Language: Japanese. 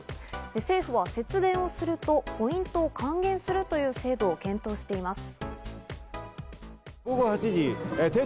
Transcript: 政府は節電をするとポイントを還元するという制度を検討しています。